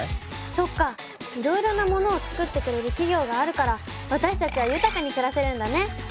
そっかいろいろなものを作ってくれる企業があるから私たちは豊かに暮らせるんだね！